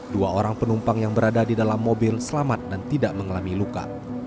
dua orang penumpang yang berada di dalam mobil selamat dan tidak mengalami luka